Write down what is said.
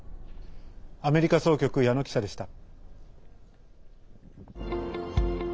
アメリカ総局、矢野記者でした。